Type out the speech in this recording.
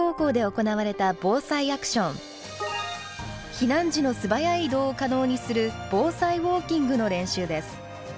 避難時の素早い移動を可能にする「防災ウォーキング」の練習です。